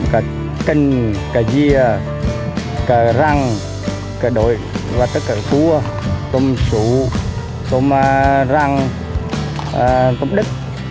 cái cân cái dìa cái răng cái đôi và tất cả các cua tôm sụ tôm răng tôm đứt